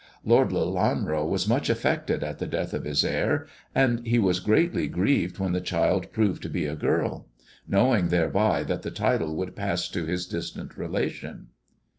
Lord Lelanro was much affected at tte death of his heir, and he was greatly grieved when the child proved to be a girl, knowing thereby that the title would pass to his distant relation."